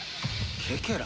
ケケラ！？